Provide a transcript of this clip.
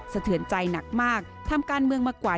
เศรษฐ์เตือนใจหนักมากทำการเมืองมากกว่า๒๖ปี